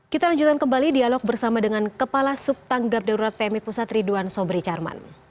kita lanjutkan kembali dialog bersama dengan kepala subtanggap daurat pmi pusat ridwan sobri charman